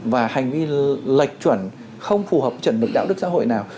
và hành vi lệch chuẩn không phù hợp chuẩn mực đạo đức xã hội nào